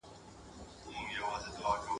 د نیلي د وجود ویني ایشېدلې !.